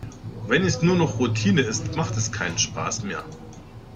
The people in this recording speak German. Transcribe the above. Wenn es nur noch Routine ist, macht es keinen Spaß mehr.